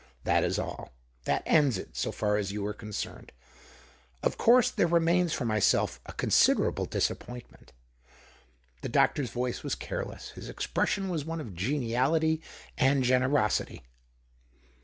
That is all ; that ends it so far as you are concerned. Of course there remains for myself a considerable dis appointment." The doctor's voice was careless : his ex pression was one of geniality and generosity.